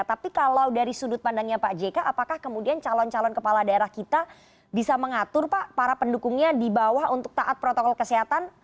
tapi kalau dari sudut pandangnya pak jk apakah kemudian calon calon kepala daerah kita bisa mengatur pak para pendukungnya di bawah untuk taat protokol kesehatan